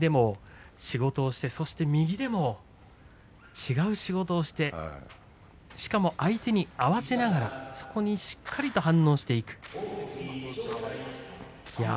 左でも仕事をしてそして右でも違う仕事をしてしかも相手に合わせながらしっかりと反応していく。